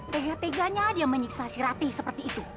tehnya teganya dia menyiksa si ratih seperti itu